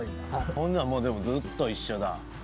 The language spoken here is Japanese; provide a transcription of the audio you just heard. ほんならもうずっと一緒だ。